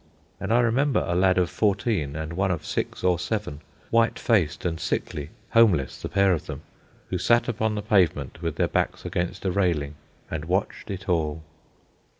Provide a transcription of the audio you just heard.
And I remember a lad of fourteen, and one of six or seven, white faced and sickly, homeless, the pair of them, who sat upon the pavement with their backs against a railing and watched it all.